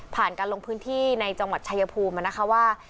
การลงพื้นที่ในจังหวัดชายภูมิมานะคะว่า